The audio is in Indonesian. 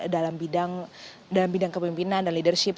dalam bidang kepemimpinan dan leadership